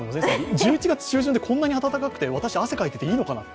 １１月中旬で、こんなに暖かくて、私、汗かいてていいのかなって。